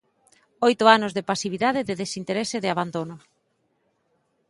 Oito anos de pasividade, de desinterese, de abandono.